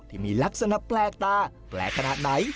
ที่มีลักษณะแปลกตาแปลกขนาดไหน